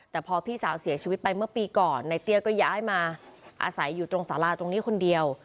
แต่พอพี่สาวเสียชีวิตไปเมื่อปีก่อนในเตี้ยก็ย้ายมาอาศัยอยู่ตรงสาราตรงนี้คนเดียว